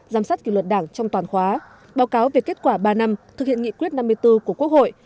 giám sát kỷ luật đảng trong toàn khóa báo cáo về kết quả ba năm thực hiện nghị quyết năm mươi bốn của quốc hội